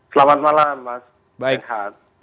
selamat malam mas renhard